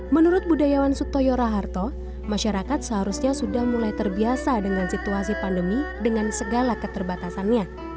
menurut budayawan sutoyora harto masyarakat seharusnya sudah mulai terbiasa dengan situasi pandemi dengan segala keterbatasannya